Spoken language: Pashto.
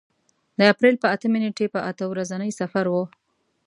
د اپرېل په اتمې نېټې په اته ورځني سفر و.